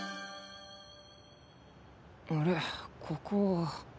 あれここは。